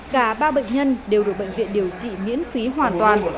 cả ba bệnh nhân đều được bệnh viện điều trị miễn phí hoàn toàn